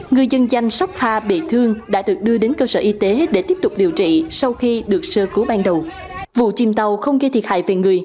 ngư dân danh sóc hà bị thương đã được đưa đến cơ sở y tế để tiếp tục điều trị sau khi được sơ cứu ban đầu